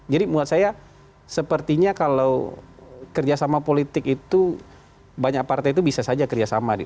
jadi menurut saya sepertinya kalau kerjasama politik itu banyak partai itu bisa saja kerjasama